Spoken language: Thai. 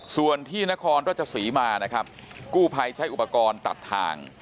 ส่วนที่นครราชศรีมานะครับกู้ภัยใช้อุปกรณ์ตัดทาง